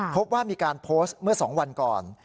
พบว่ามีการโพสต์เมื่อ๒วันก่อน